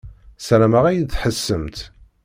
Sarameɣ ad yi-d-tḥessemt.